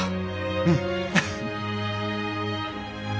うん。